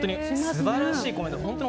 素晴らしいコメント